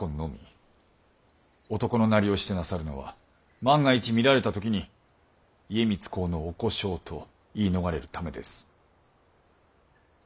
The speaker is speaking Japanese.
男のなりをしてなさるのは万が一見られた時に家光公のお小姓と言い逃れるためです。